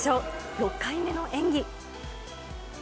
６回目の演技。